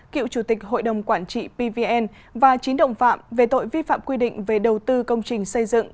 cựu chủ tịch hội đồng quản trị pvn và chín đồng phạm về tội vi phạm quy định về đầu tư công trình xây dựng